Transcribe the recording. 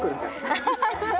アハハッ。